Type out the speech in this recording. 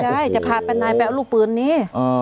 ไม่ได้จะพาแปดนายไปเอาลูกปืนนี้